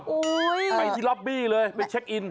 ไปที่ล็อบบี้เลยไปเช็คอิน